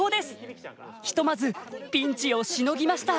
ひとまずピンチをしのぎました。